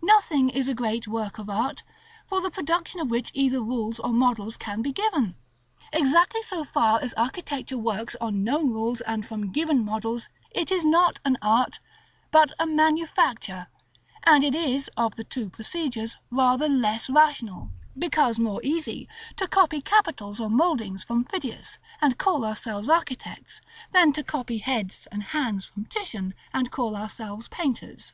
Nothing is a great work of art, for the production of which either rules or models can be given. Exactly so far as architecture works on known rules, and from given models, it is not an art, but a manufacture; and it is, of the two procedures, rather less rational (because more easy) to copy capitals or mouldings from Phidias, and call ourselves architects, than to copy heads and hands from Titian, and call ourselves painters.